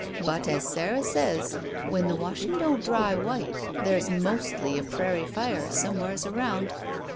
But, as Sarah says, when the washing don't dry white there's mostly a prairie fire somewheres around.